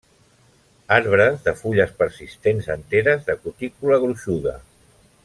Arbre de fulles persistents enteres de cutícula gruixuda.